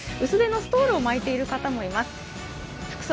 薄手のストールを巻いている方もいます。